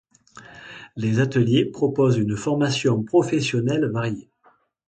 Les ateliers proposent une formation professionnelle variée.